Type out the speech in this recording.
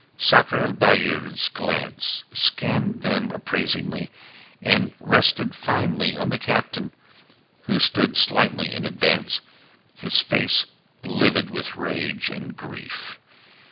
Sakr el Bahr's glance scanned them appraisingly, and rested finally on the captain, who stood slightly in advance, his face livid with rage and grief.